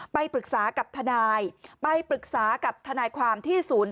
ไปปรึกษากับทนายไปปรึกษากับทนายความที่ศูนย์